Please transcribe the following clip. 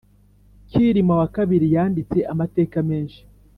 Kilima wakabili yanditse amateka menshi